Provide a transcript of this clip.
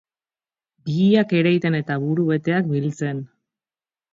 Bihiak ereiten eta buru beteak biltzen.